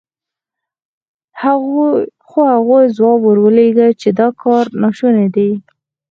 خو هغوی ځواب ور ولېږه چې دا کار ناشونی دی.